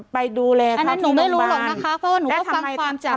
ไปดูแลเขาหนูไม่รู้หรอกนะคะเพราะว่าหนูก็ฟังความจาก